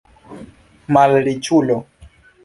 malriĉulo